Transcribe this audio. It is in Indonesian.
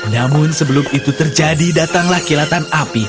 namun sebelum itu terjadi datanglah kilatan api